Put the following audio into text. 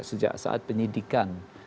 sejak saat penyidikan